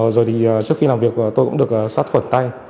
rồi thì trước khi làm việc tôi cũng được sát khuẩn tay